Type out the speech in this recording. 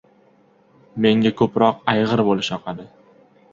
Menga ko‘proq ayg‘ir bo‘lish yoqadi.